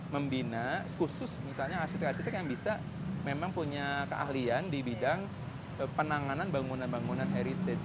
membina khusus misalnya arsitek arsitek yang bisa memang punya keahlian di bidang penanganan bangunan bangunan heritage